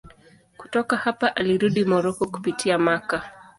Kutoka hapa alirudi Moroko kupitia Makka.